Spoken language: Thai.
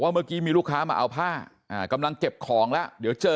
เมื่อกี้มีลูกค้ามาเอาผ้ากำลังเก็บของแล้วเดี๋ยวเจอ